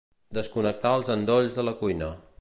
Desconnectar els endolls de la cuina.